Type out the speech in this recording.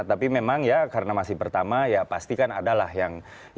tapi memang ya karena masih pertama ya pasti kan adalah yang